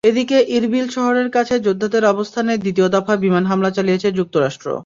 এদিকে ইরবিল শহরের কাছে যোদ্ধাদের অবস্থানে দ্বিতীয় দফায় বিমান হামলা চালিয়েছে যুক্তরাষ্ট্র।